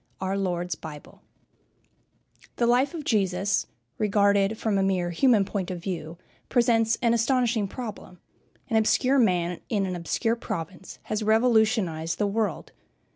X OUR LORD'S BIBLE The life of Jesus, regarded from a mere human point of view, presents an astonishing problem. An obscure man in an obscure province has revolutionized the world.